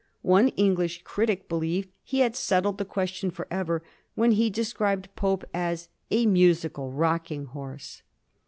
One English critic believed he had settled the question forever when he described Pope as ^^ a musical rocking horse."